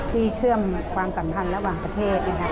ที่เชื่อมความสัมพันธ์ระหว่างประเทศ